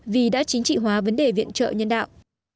vì đã chính trị hóa vấn đề viện trợ nhân đạo